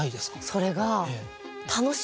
それが。